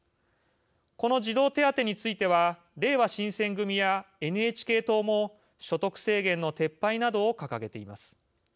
この児童手当についてはれいわ新選組やＮＨＫ党も所得制限の撤廃などを掲げています。